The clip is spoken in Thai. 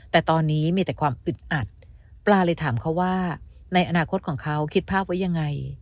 แต่ตอนนี้มีแต่ความอึดอัดปลาเลยถามเขาว่าในอนาคตของเขาคิดภาพไว้ยังไง